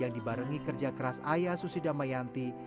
yang diberikan oleh kerja keras ayah susi damayanti